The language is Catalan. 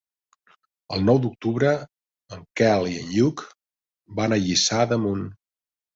El nou d'octubre en Quel i en Lluc van a Lliçà d'Amunt.